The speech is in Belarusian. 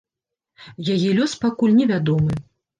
Яе лёс пакуль невядомы.